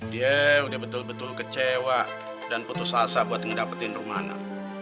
dia udah betul betul kecewa dan putus asa buat ngedapetin rumahan